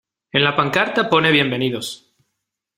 en la pancarta pone bienvenidos.